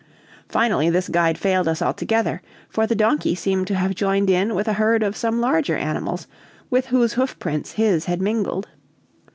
Finally this guide failed us altogether, for the donkey seemed to have joined in with a herd of some larger animals, with whose hoof prints his had mingled.